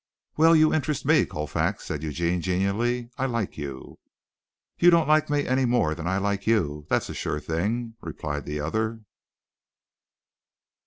"Well, you interest me, Colfax," said Eugene genially, "I like you." "You don't like me any more than I like you, that's a sure thing," replied the other.